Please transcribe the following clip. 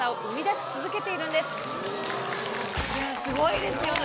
すごいですよね